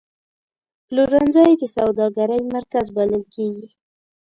پلورنځی د سوداګرۍ مرکز بلل کېږي.